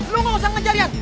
lo gak usah ngejar ya